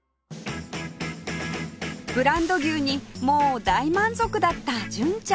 ブランド牛にモ大満足だった純ちゃん